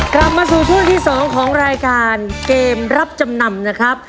กลับมาสู่ช่วงที่๒ของรายการเกมรับจำนำนะครับ